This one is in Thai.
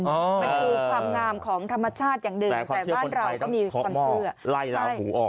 มันคือความงามของธรรมชาติอย่างเดินแต่บ้านเราต้องคอบม่อไล่แล้วอาหูออก